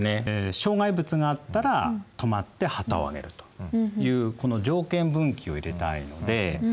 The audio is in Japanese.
障害物があったら止まって旗を上げるというこの条件分岐を入れたいので。